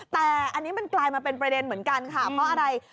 แต่อันนี้มันกลายมาเป็นประเด็นเหมือนกันค่ะเพราะอะไร